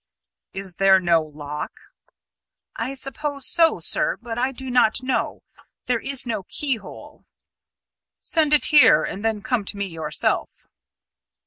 "Is there no lock?" "I suppose so, sir; but I do not know. There is no keyhole." "Send it here; and then come to me yourself."